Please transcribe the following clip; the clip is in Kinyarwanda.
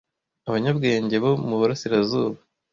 abanyabwenge bo mu burasirazuba